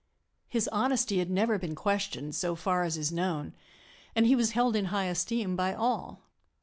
His honesty had never been questioned, so far as is known, and he was held in high esteem by all.